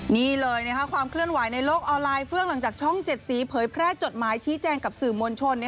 นี่เลยความเคลื่อนไหวในโลกออนไลน์เฟื่องหลังจากช่อง๗สีเผยแพร่จดหมายชี้แจงกับสื่อมวลชน